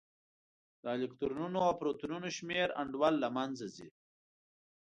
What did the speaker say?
د الکترونونو او پروتونونو شمېر انډول له منځه ځي.